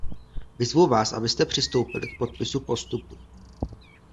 Vyzvu vás, abyste přistoupili k podpisu postupu.